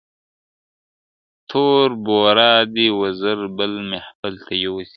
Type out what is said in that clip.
تور بورا دي وزر بل محفل ته یوسي -